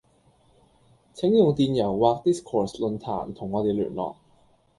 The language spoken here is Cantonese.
請用電郵或 Discourse 論壇同我地聯絡